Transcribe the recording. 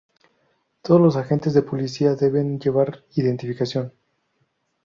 Todos los agentes de policía deben llevar identificación.